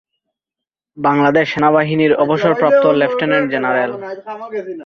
বাংলাদেশ সেনাবাহিনীর অবসরপ্রাপ্ত lieutenant general.